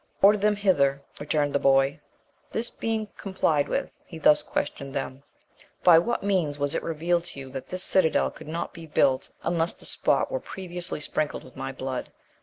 "Order them hither," returned the boy; this being complied with, he thus questioned them: "By what means was it revealed to you that this citadel could not be built, unless the spot were previously sprinkled with my blood?